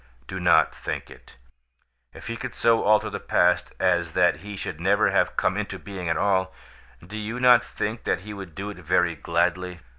Do not think it. If he could so alter the past as that he should never have come into being at all, do you not think that he would do it very gladly?